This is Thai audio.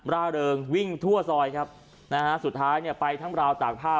ร่าเริงวิ่งทั่วซอยครับนะฮะสุดท้ายเนี่ยไปทั้งราวตากผ้า